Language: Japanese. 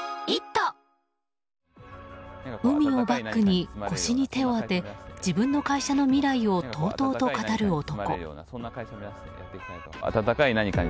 海をバックに腰に手を当て自分の会社の未来をとうとうと語る男。